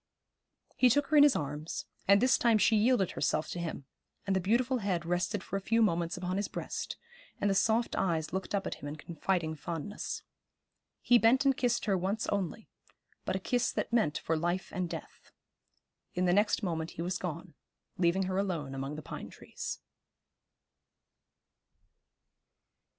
He took her in his arms, and this time she yielded herself to him, and the beautiful head rested for a few moments upon his breast, and the soft eyes looked up at him in confiding fondness. He bent and kissed her once only, but a kiss that meant for life and death. In the next moment he was gone, leaving her alone among the pine trees.